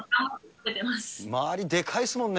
周りでかいですもんね。